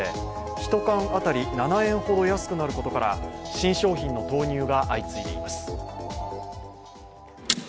１缶当たり７円ほど安くなることから新商品の投入が相次いでいます。